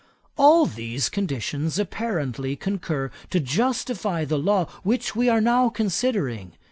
'All these conditions apparently concur to justify the law which we are now considering.